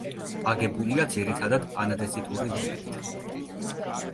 აგებულია ძირითადად ანდეზიტური ლავებით.